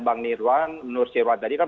bang nirwan nur sirwan